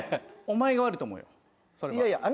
お前が悪いと思うよそれは。